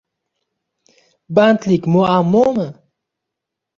Bandlik muammomi?